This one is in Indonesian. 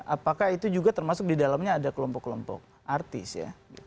apakah itu juga termasuk di dalamnya ada kelompok kelompok artis ya